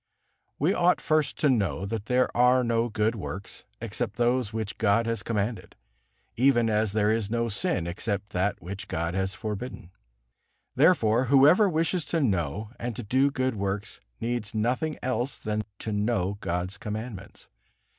We ought first to know that there are no good works except those which God has commanded, even as there is no sin except that which God has forbidden. Therefore whoever wishes to know and to do good works needs nothing else than to know God's commandments.